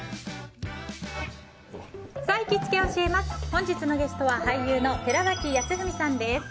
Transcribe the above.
本日のゲストは俳優の寺脇康文さんです。